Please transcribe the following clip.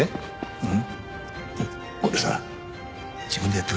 うん。